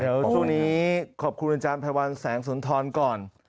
เดี๋ยวช่วงนี้ขอบคุณอาจารย์ไพรวัลแสงสุนทรก่อน